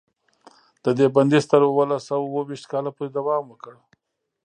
د دې بندیز تر اوولس سوه اوه ویشت کاله پورې دوام وکړ.